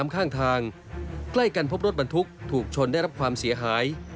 ข้างทางใกล้กันพบรถบรรทุกถูกชนได้รับความเสียหาย